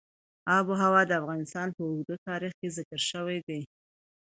آب وهوا د افغانستان په اوږده تاریخ کې ذکر شوی دی.